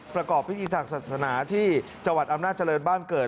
ประกอบพิธีทางศาสนาที่จังหวัดอำนาจเจริญบ้านเกิด